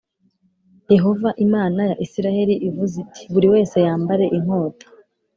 Yehova Imana ya Isirayeli ivuze iti buri wese yambare inkota